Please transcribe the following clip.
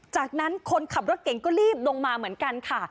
จากนั้นคนขับรถเก่งก็รีบลงมาเหมือนกันค่ะ